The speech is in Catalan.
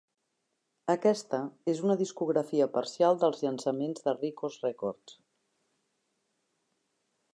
Aquesta és una discografia parcial dels llançaments de Rikos Records.